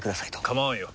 構わんよ。